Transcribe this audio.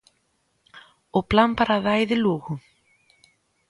¿O Plan Paradai de Lugo?